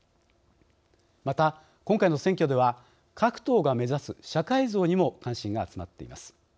また今回の選挙では各党が目指す社会像にも関心が集まっています。